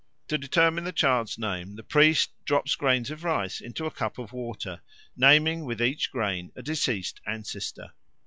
To determine the child's name the priest drops grains of rice into a cup of water, naming with each grain a deceased ancestor.